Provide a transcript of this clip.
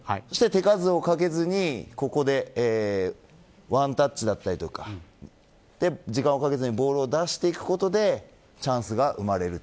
手数をかけずにここに、ワンタッチだったり時間をかけずにボールを出していくことでチャンスが生まれる。